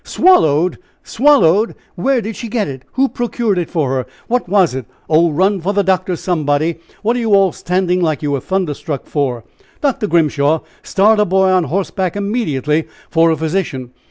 "Swallowed! swallowed! Where did she get it? Who procured it for her? What was it? Oh, run for the doctor, somebody. What are you all standing like you were thunderstruck for? Dr. Grimshaw, start a boy on horseback immediately for a physician.